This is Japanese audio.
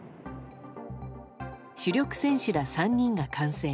主力選手ら３人が感染。